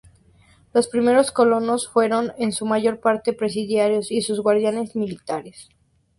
Los primeros colonos fueron, en su mayor parte, presidiarios y sus guardianes militares.